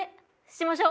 しましょう。